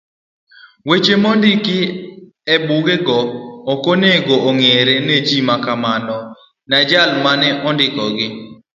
Weche mondiki ebugego okonego ong'ere neji makmana ne jal mane ondikogi.